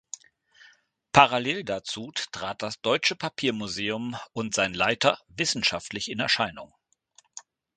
Parallel dazu trat das Deutsche Papiermuseum und sein Leiter wissenschaftlich in Erscheinung.